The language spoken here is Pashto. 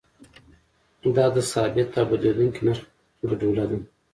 دا د ثابت او بدلیدونکي نرخ ګډوله ده.